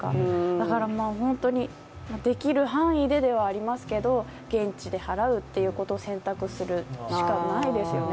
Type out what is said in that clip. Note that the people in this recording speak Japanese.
だから本当にできる範囲でではありますけど現地で払うということを選択するしかないですよね。